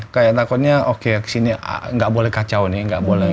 kayak takutnya oke kesini gak boleh kacau nih